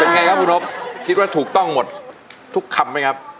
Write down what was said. ไงครับคุณนบคิดว่าถูกต้องหมดทุกคำไหมครับ